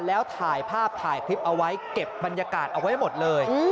แล้วถ่ายภาพถ่ายคลิปเอาไว้เก็บบรรยากาศเอาไว้หมดเลย